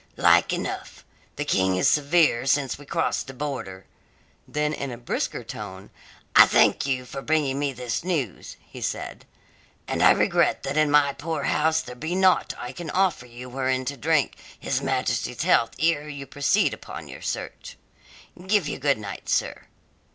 "Like enough. The King is severe since we crossed the Border." Then in a brisker tone: "I thank you for bringing me this news," said he, "and I regret that in my poor house there be naught I can offer you wherein to drink His Majesty's health ere you proceed upon your search. Give you good night, sir."